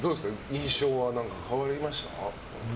印象は変わりました？